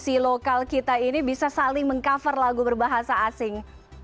si lokal kita ini bisa saling meng cover lagu berbahasa asing